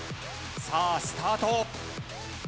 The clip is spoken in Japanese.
さあスタート。